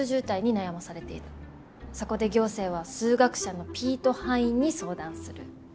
そこで行政は数学者のピート・ハインに相談する。